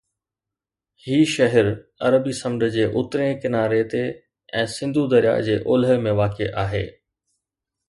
هي شهر عربي سمنڊ جي اترئين ڪناري تي، سنڌو درياهه جي اولهه ۾ واقع آهي